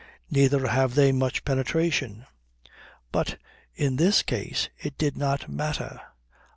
Neither have they much penetration. But in this case it did not matter.